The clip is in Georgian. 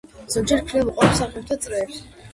ზოგჯერ ქმნიდნენ მოყვარულ მსახიობთა წრეებს.